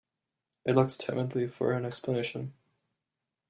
It looks timidly for an explanation.